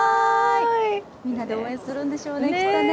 みんなで応援するんでしょうね、きっとね。